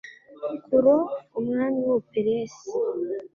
kuro umwami w u buperesi